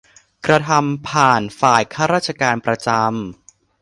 กระทำผ่านฝ่ายข้าราชการประจำ